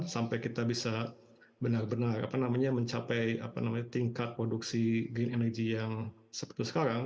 sampai kita bisa benar benar mencapai tingkat produksi green energy yang seperti sekarang